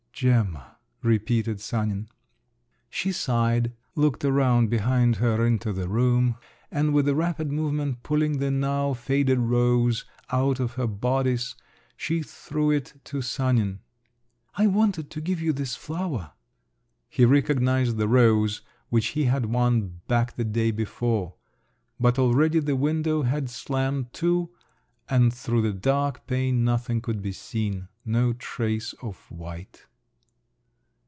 "Gemma!" repeated Sanin. She sighed, looked around behind her into the room, and with a rapid movement pulling the now faded rose out of her bodice, she threw it to Sanin. "I wanted to give you this flower." He recognised the rose, which he had won back the day before…. But already the window had slammed to, and through the dark pane nothing could be seen, no trace of white.